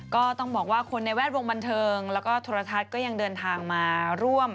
ก็ต้องบอกว่าคนในแวดวงบันเทิงแล้วก็โทรทัศน์ก็ยังเดินทางมาร่วม